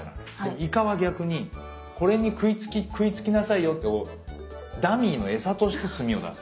イカは逆にこれに食いつきなさいよとダミーの餌として墨を出す。